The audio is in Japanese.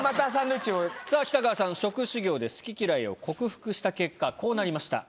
さぁ北川さん食修業で好き嫌いを克服した結果こうなりました。